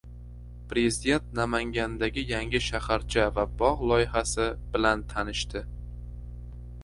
Prezident Namangandagi yangi shaharcha va bog‘ loyihasi bilan tanishdi